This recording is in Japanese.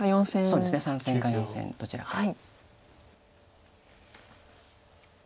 そうですね３線か４線どちらかに。